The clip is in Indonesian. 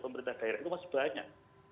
pemerintah daerah itu masih banyak